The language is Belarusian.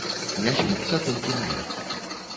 Не спіцца толькі мне.